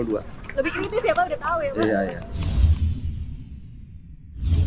lebih kritis ya pak udah tahu ya pak